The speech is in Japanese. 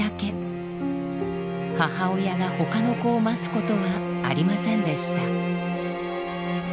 母親が他の子を待つことはありませんでした。